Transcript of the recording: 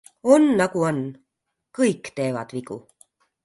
On nagu on, kõik teevad vigu.